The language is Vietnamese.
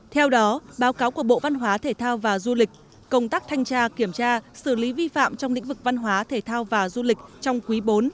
theo đó báo cáo của bộ văn hóa thể thao và du lịch công tác thanh tra kiểm tra xử lý vi phạm trong lĩnh vực văn hóa thể thao và du lịch trong quý bốn